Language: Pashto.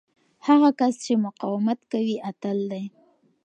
هغه کس چې مقاومت کوي، اتل دی.